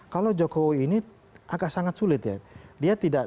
kalau jokowi ini agak sangat sulit ya